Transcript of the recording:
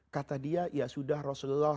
kata dia ya sudah rasulullah